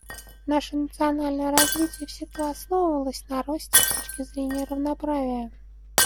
Наше национальное развитие всегда основывалось на росте с точки зрения равноправия.